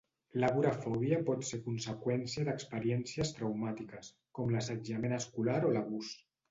L'agorafòbia pot ser conseqüència d"experiències traumàtiques, com l'assetjament escolar o l'abús.